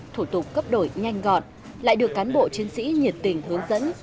thủ tục cấp đổi nhanh gọn lại được cán bộ chiến sĩ nhiệt tình hướng dẫn